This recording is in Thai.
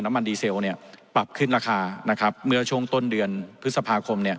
น้ำมันดีเซลปรับขึ้นราคาเมื่อช่วงต้นเดือนพฤษภาคม